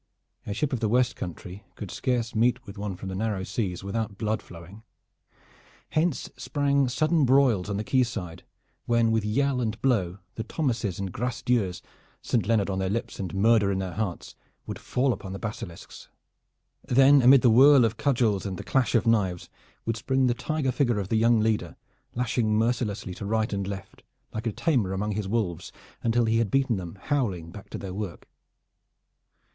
A ship of the West Country could scarce meet with one from the Narrow Seas without blood flowing. Hence sprang sudden broils on the quay side, when with yell and blow the Thomases and Grace Dieus, Saint Leonard on their lips and murder in their hearts, would fall upon the Basilisks. Then amid the whirl of cudgels and the clash of knives would spring the tiger figure of the young leader, lashing mercilessly to right and left like a tamer among his wolves, until he had beaten them howling back to their work.